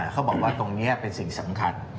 เขาบอกว่าตรงนี้เป็นสิ่งสำคัญ